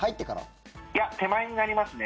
手前になりますね。